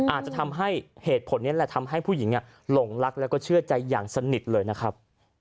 อาจจะทำให้เหตุผลนี้แหละทำให้ผู้หญิงหลงรักแล้วก็เชื่อใจอย่างสนิทเลยนะครับ